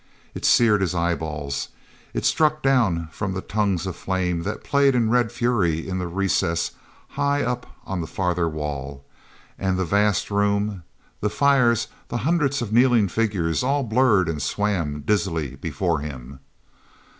It seared his eyeballs; it struck down from the tongues of flame that played in red fury in the recess high up on the farther wall. And the vast room, the fires, the hundreds of kneeling figures, all blurred and swam dizzily before him.